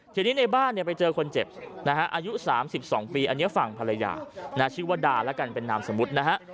ทีนี้ในบ้านเนี่ยไปเจอคนเจ็บนะฮะอายุ๓๒ปีอันนี้ฝั่งภรรยาชื่อว่าดาแล้วกันเป็นนามสมมุตินะฮะ